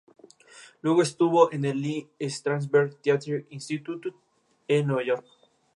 Haydn escribió la mayoría de sus sinfonías para la orquesta del príncipe.